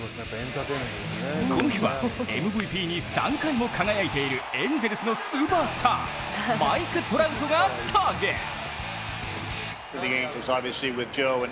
この日はＭＶＰに３回も輝いているエンゼルスのスーパースターマイク・トラウトがターゲット！